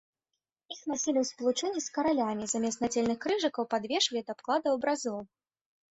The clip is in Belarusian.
Іх насілі ў спалучэнні з каралямі, замест нацельных крыжыкаў, падвешвалі да абкладаў абразоў.